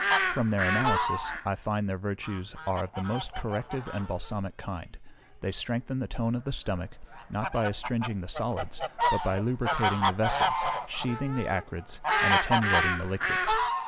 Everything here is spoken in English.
From their analysis, I find their virtues are of the most corrective and balsamic kind; they strengthen the tone of the stomach, not by astringing the solids, but by lubricating the vessels, sheathing the acrids, and attenuating the liquids.